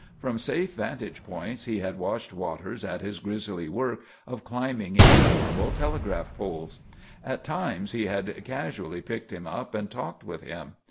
From safe vantage points he had watched Waters at his grisly work of climbing innumerable telegraph poles. At times he had casually picked him up and talked with him.